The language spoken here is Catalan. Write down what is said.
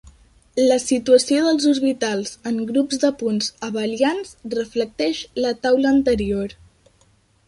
La situació dels orbitals en grups de punts abelians reflecteix la taula anterior.